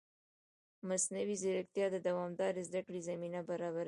مصنوعي ځیرکتیا د دوامدارې زده کړې زمینه برابروي.